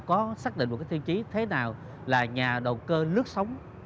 có xác định một cái tiêu chí thế nào là nhà đầu cơ lướt sống